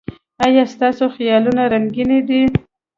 ایا ستاسو خیالونه رنګین دي؟